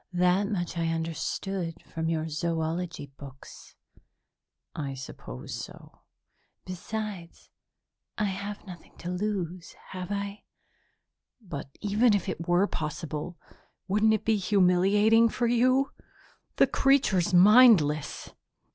That much I understood from your zoology books." "I suppose so." "Besides, I have nothing to lose, have I?" "But even if it were possible, wouldn't it be humiliating for you? The creature's mindless!"